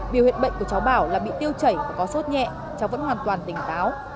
biểu hiện bệnh của cháu bảo là bị tiêu chảy và có sốt nhẹ cháu vẫn hoàn toàn tỉnh táo